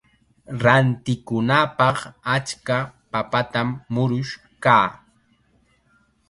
Rantikunapaq achka papatam murush kaa.